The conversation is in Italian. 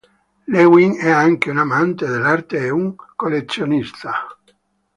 Lewin è anche un amante dell'arte e un collezionista.